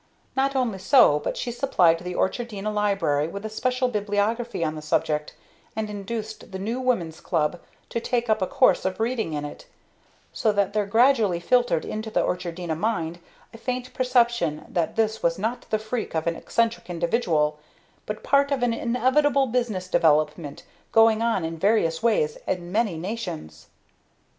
Not only so, but she supplied the Orchardina library with a special bibliography on the subject, and induced the new Woman's Club to take up a course of reading in it, so that there gradually filtered into the Orchardina mind a faint perception that this was not the freak of an eccentric individual, but part of an inevitable business development, going on in various ways in many nations.